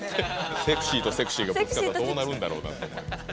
セクシーとセクシーがぶつかったらどうなるんだと。